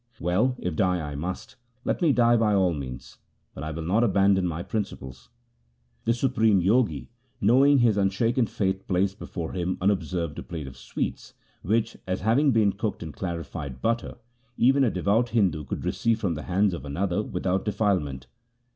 Well, if die I must, let me die by all means, but I will not abandon my principles.' The supreme Jogi knowing his unshaken faith placed before him unobserved a plate of sweets, which, as having been cooked in clarified butter, even a devout Hindu could receive from the hands of another without defilement.